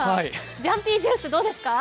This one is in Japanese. ジャンピージュースどうですか？